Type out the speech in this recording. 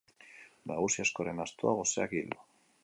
Nagusi askoren astoa goseak hil.